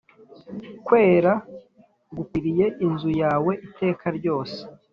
kwera gukwiriye inzu yawe iteka ryose